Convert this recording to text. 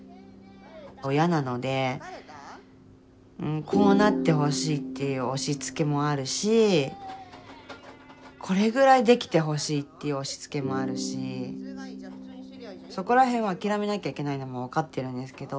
親なのでこうなってほしいっていう押しつけもあるしこれぐらいできてほしいっていう押しつけもあるしそこらへんは諦めなきゃいけないのも分かってるんですけど。